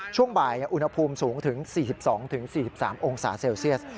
ช่วงบ่ายอุณหภูมิสูงถึง๔๒๔๓องศาเซลเซียส